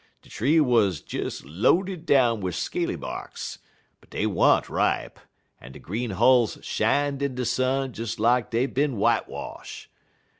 De tree wuz des loaded down wid scaly barks, but dey wa'n't ripe, en de green hulls shined in de sun des lak dey ben whitewash'.